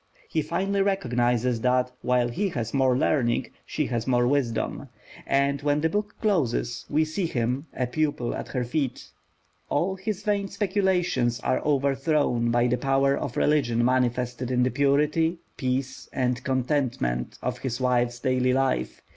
He finally recognises that while he has more learning, she has more wisdom; and when the book closes, we see him a pupil at her feet. All his vain speculations are overthrown by the power of religion manifested in the purity, peace, and contentment of his wife's daily life.